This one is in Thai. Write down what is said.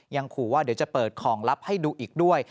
ยังขู่ว่าเดี๋ยวจะเปิดของลับให้ดูอีกด้วย